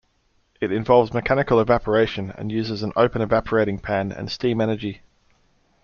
It involves mechanical evaporation and uses an open evaporating pan and steam energy.